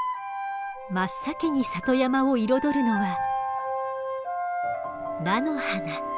真っ先に里山を彩るのは菜の花。